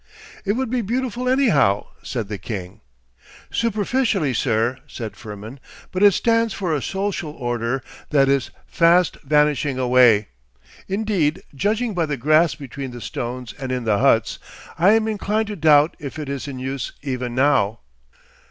'It would be beautiful anyhow,' said the king. 'Superficially, sir,' said Firmin. 'But it stands for a social order that is fast vanishing away. Indeed, judging by the grass between the stones and in the huts, I am inclined to doubt if it is in use even now.